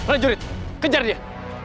lari jurit kejar dia